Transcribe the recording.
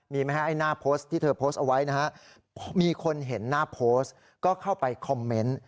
มีไหมฮะไอ้หน้าโพสต์ที่เธอโพสต์เอาไว้นะฮะมีคนเห็นหน้าโพสต์ก็เข้าไปคอมเมนต์